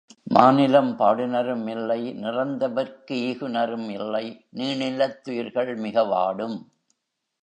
மாநிலம் பாடுநரும் இல்லை நிறைந்தவர்க் கீகுநரும் இல்லை நீணிலத் துயிர்கள்மிக வாடும்.